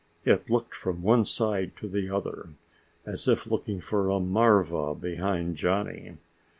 It looked from one side to the other, as if looking for a marva behind Johnny.